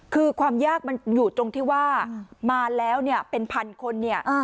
คือความยากมันอยู่ตรงที่ว่ามาแล้วเนี่ยเป็นพันคนเนี่ย